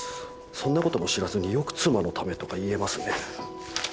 そんなことも知らずによく妻のためとか言えますね。